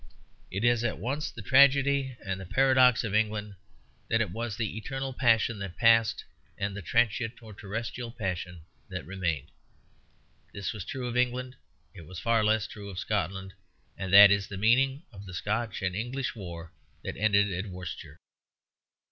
It is at once the tragedy and the paradox of England that it was the eternal passion that passed, and the transient or terrestrial passion that remained. This was true of England; it was far less true of Scotland; and that is the meaning of the Scotch and English war that ended at Worcester.